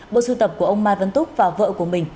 bộ sưu tập của ông mai văn túc và vợ của mình